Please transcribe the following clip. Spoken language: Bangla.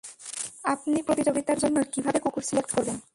আপনি প্রতিযোগিতার জন্য কীভাবে কুকুর সিলেক্ট করবেন?